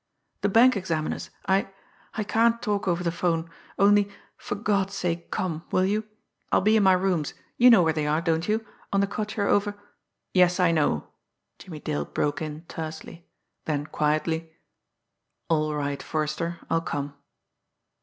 "The bank examiners I I can't talk over the 'phone. Only, for God's sake, come will you? I'll be in my rooms you know where they are, don't you on the cottier over " "Yes, I know," Jimmie Dale broke in tersely; then, quietly: "All right, Forrester, I'll come."